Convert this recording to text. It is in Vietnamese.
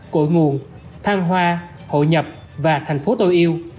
cội nguồn thang hoa hội nhập và tp tô yêu